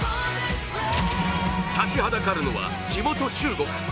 立ちはだかるのは地元・中国。